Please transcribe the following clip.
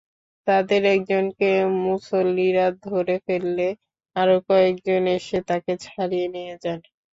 তাঁদের একজনকে মুসল্লিরা ধরে ফেললে আরও কয়েকজন এসে তাঁকে ছাড়িয়ে নিয়ে যান।